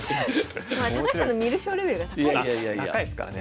高橋さんの観る将レベルが高いですからね